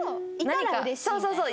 そうそうそう。